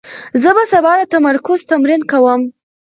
زه به سبا د تمرکز تمرین کوم.